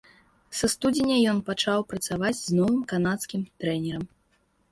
Са студзеня ён пачаў працаваць з новым канадскім трэнерам.